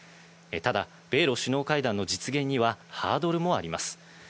ただ、米露首脳会談の実現にはハードルもあります。